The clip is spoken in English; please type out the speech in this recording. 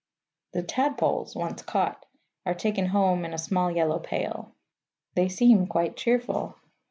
The tadpoles, once caught, are taken home in a small yellow pail. They seem quite cheerful.